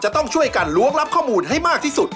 ต้องช่วยกันล้วงรับข้อมูลให้มากที่สุด